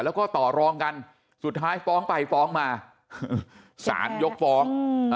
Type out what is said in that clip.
แล้วก็ต่อรองกันสุดท้ายฟ้องไปฟ้องมาสารยกฟ้อง